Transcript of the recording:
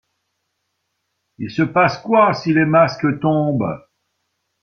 Il se passe quoi si les masques tombent?